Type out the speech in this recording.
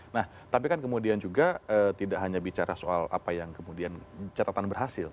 nah tapi kan kemudian juga tidak hanya bicara soal apa yang kemudian catatan berhasil